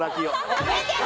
やめてよ！